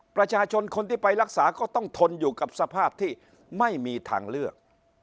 ประชาชนคนที่ไปรักษาก็ต้องทนอยู่กับสภาพที่ไม่มีทางเลือก